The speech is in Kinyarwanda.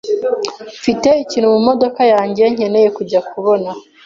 Mfite ikintu mumodoka yanjye nkeneye kujya kubona.